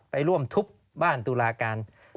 ไปร่วมทุบบ้านตุลาการ